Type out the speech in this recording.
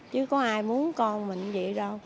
chứ có ai muốn con mình vậy đâu